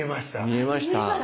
見えました？